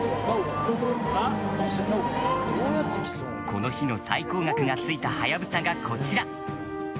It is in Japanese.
この日の最高額がついたハヤブサがこちら。